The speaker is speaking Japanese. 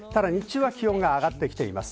ただ日中は気温が上がってきています。